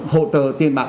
hỗ trợ tiền bạc